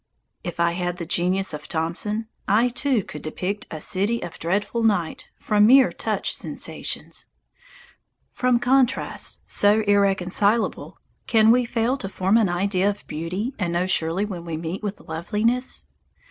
If I had the genius of Thomson, I, too, could depict a "City of Dreadful Night" from mere touch sensations. From contrasts so irreconcilable can we fail to form an idea of beauty and know surely when we meet with loveliness?